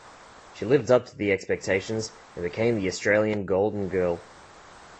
She lived up to the expectations, and became the Australian "Golden Girl".